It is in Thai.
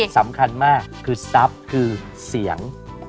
๔สำคัญมากคือซับคือเสียง